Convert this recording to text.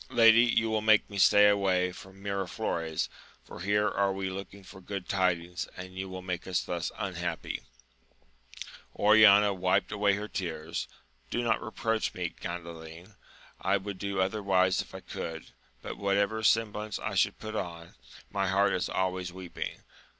Lady, you will make me stay away from Miraflores, for here are we looking for good tidings, and you will make us thus unhappy I Oriana wiped away her tears : Do not reproach me, Gandalin ! I would do otherwise if I could ; but, whatever sem blance I should put on, my heart is always weeping